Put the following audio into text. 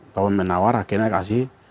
pak menawar akhirnya kasih